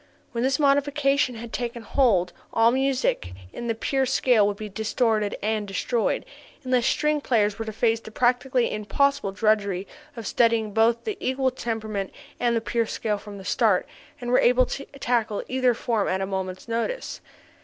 When this modification had taken hold all music in the pure scale would be distorted and destroyed, unless string players were to face the practically impossible drudgery of studying both the equal temperament and the pure scale from the start, and were able to tackle either form at a moment's notice.